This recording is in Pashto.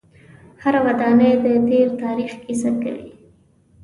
هره ودانۍ د تیر تاریخ کیسه کوي.